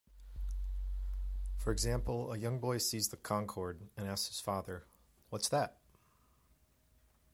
For example, a young boy sees the Concorde and asks his father "What's that?".